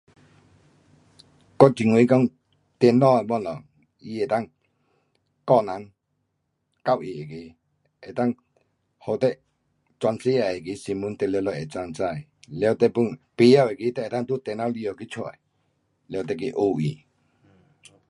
我认为讲，电脑的东西，它能够教人教育那个，能够给你全世界的那个新闻，你全部能够知，了 pun 甭晓那个你能够去电脑里下去找。了你去学它。